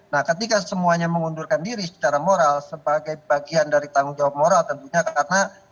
nah ketika semuanya mengundurkan diri secara moral sebagai bagian dari tanggung jawab moral tentunya karena